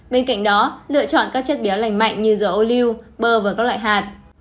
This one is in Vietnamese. bên cạnh đó lựa chọn các chất béo lành mạnh như dầu ô lưu bơ và các loại hạt